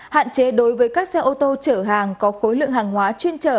hạn chế đối với các xe ô tô chở hàng có khối lượng hàng hóa chuyên trở